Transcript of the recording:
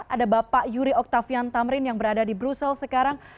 ada bapak yuri oktavian tamrin yang berada di brussel sekarang